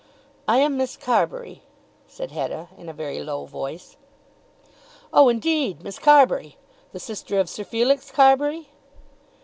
"I am Miss Carbury," said Hetta in a very low voice. "Oh, indeed; Miss Carbury! the sister of Sir Felix Carbury?"